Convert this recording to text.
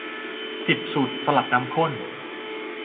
สิบ สูตรสลัดน้ำข้น